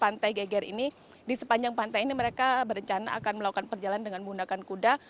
pantai geger ini di sepanjang pantai ini mereka berencana akan melakukan perjalanan dengan menggunakan kuda